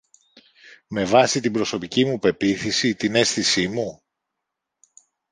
Με βάση την προσωπική μου πεποίθηση, την αίσθηση μου;